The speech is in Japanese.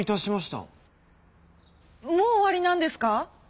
もう終わりなんですか？